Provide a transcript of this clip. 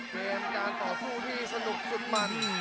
เป็นการต่อสู้ที่สนุกสุดมัน